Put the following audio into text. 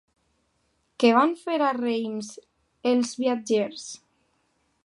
Què van a fer a Reims els viatgers?